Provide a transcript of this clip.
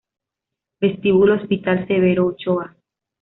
Vestíbulo Hospital Severo Ochoa